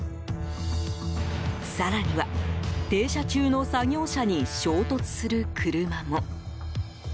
更には、停車中の作業車に衝突する車も。